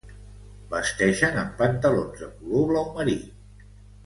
Vesteixen amb pantalons de color blau marí.